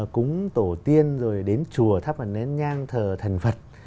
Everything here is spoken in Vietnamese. cúng tổ tiên rồi đến chùa thắp ẩn nén nhang thờ thần phật